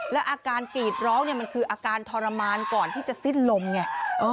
แล้วอาการกรีดร้องเนี่ยมันคืออาการทรมานก่อนที่จะสิ้นลมไง